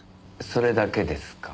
それだけですか？